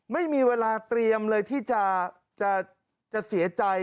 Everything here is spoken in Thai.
ไม่มีเวลาเตรียมเลยที่จะเสียใจ